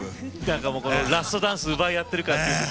なんかもうラストダンス奪い合ってる感っていうか。